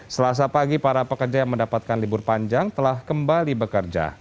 selasa pagi para pekerja yang mendapatkan libur panjang telah kembali bekerja